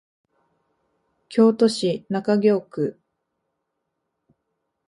京都市中京区